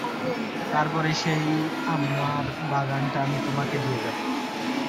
তরপরে সেই আমার বাগানটা আমি তোমাকে দিয়ে যাব।